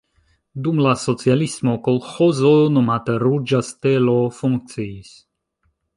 Dum la socialismo kolĥozo nomata Ruĝa Stelo funkciis.